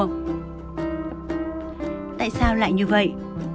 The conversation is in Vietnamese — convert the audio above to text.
tại sao lại như vậy